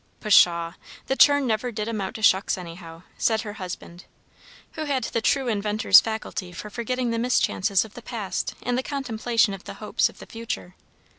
"Pshaw! the churn never did amount to shucks anyhow," said her husband, who had the true inventor's faculty for forgetting the mischances of the past in the contemplation of the hopes of the future.